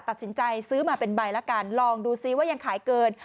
ตัดสินใจซื้อมาเป็นใบละกันลองดูซิว่ายังขายเกิน